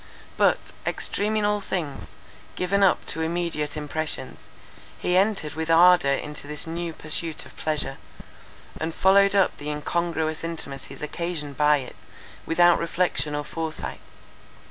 But, extreme in all things, given up to immediate impressions, he entered with ardour into this new pursuit of pleasure, and followed up the incongruous intimacies occasioned by it without reflection or foresight.